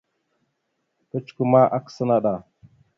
Kecikwe ma, akǝsa naɗ a.